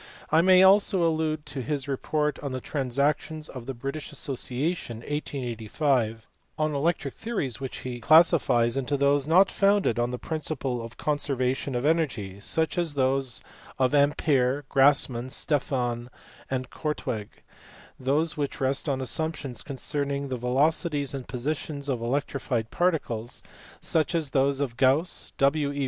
I may also allude to his report in the Transactions of the British Association, 1885, on electric theories, which he classifies into those not founded on the principle of the conservation of energy (such as those of Ampere, Grassmann, Stefan, and Korteweg) ; those which rest on assumptions concerning the velocities and positions of electrified particles (such as those of Gauss, W. E.